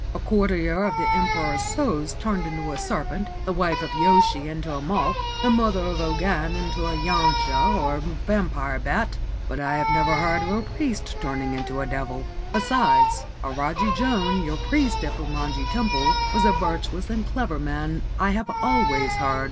A courtier of the Emperor So's turned into a serpent, the wife of Yosei into a moth, the mother of Ogan into a Yasha l ; but I have never heard of a priest turning into a devil. Besides, Ajari Joan, your priest at Fumonji Temple, was a virtuous and clever man, I have always heard.